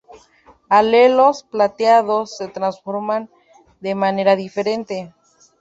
Alelos plateados, se transforman de manera diferente.